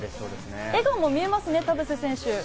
笑顔も見えますね、田臥選手。